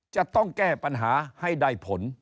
จะต้องแก้ปัญหาให้ได้ผล